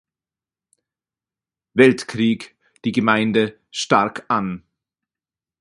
Weltkrieg die Gemeinde stark an.